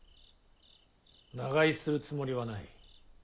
長居するつもりはない。